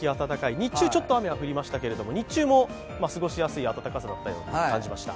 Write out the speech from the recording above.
日中ちょっと雨は降りましたが、過ごしやすい暖かさだったように感じました。